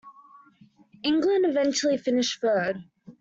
England eventually finished third.